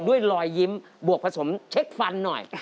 ด้วยรอยยิ้มบวกผสมเช็คฟันหน่อย